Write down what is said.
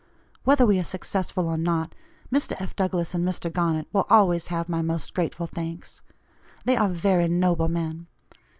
Whether we are successful or not, Mr. F. Douglass and Mr. Garnet will always have my most grateful thanks. They are very noble men.